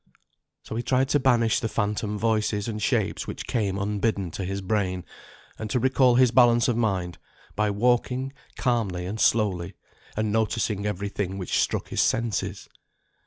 So he tried to banish the phantom voices and shapes which came unbidden to his brain, and to recall his balance of mind by walking calmly and slowly, and noticing every thing which struck his senses.